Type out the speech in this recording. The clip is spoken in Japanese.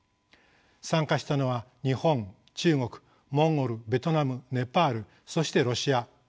参加したのは日本中国モンゴルベトナムネパールそしてロシア。